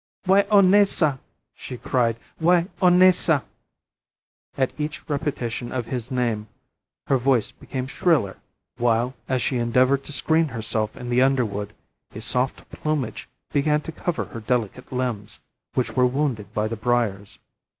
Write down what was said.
"Wai o naisa!" she cried, "Wai o naisa!" At each repetition of his name her voice became shriller, while, as she endeavoured to screen herself in the underwood, a soft plumage began to cover her delicate limbs, which were wounded by the briers.